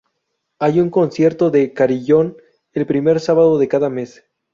Hay un concierto de carillón el primer sábado de cada mes.